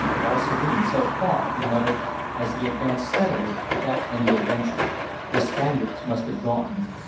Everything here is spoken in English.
"All serene, so far," he muttered, as he advanced steadily without any adventure. "The Spaniards must have gone."